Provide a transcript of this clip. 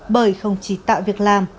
bởi không chỉ tạo việc làm